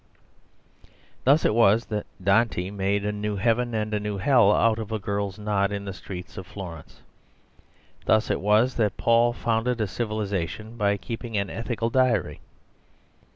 Thus it was that Dante made a new heaven and a new hell out of a girl's nod in the streets of Florence. Thus it was that Paul founded a civilisation by keeping an ethical diary.